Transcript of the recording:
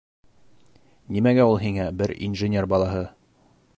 Нимәгә ул һиңә бер инженер балаһы?